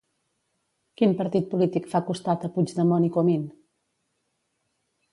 Quin partit polític fa costat a Puigdemont i Comín?